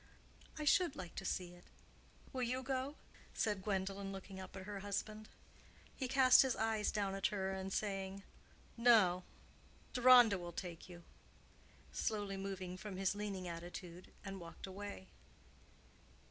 "I should like to see it. Will you go?" said Gwendolen, looking up at her husband. He cast his eyes down at her, and saying, "No, Deronda will take you," slowly moved from his leaning attitude, and walked away.